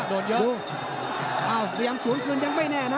อ้าวพยายามสูญคืนยังไม่แน่นะ